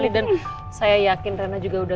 dan saya yakin reina juga sudah